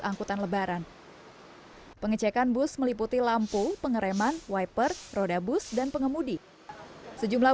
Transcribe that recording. angkutan lebaran pengecekan bus meliputi lampu pengereman wiper roda bus dan pengemudi sejumlah